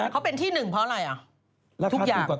เขาเป็นที่หนึ่งเพราะอะไรอ่ะ